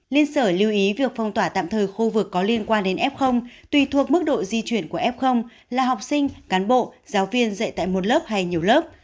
liên sở lưu ý việc phong tỏa tạm thời khu vực có liên quan đến f tùy thuộc mức độ di chuyển của f là học sinh cán bộ giáo viên dạy tại một lớp hay nhiều lớp